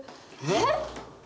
えっ？